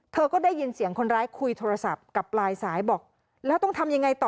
เธอก็ได้ยินเสียงคนร้ายคุยโทรศัพท์กับปลายสายบอกแล้วต้องทำยังไงต่อ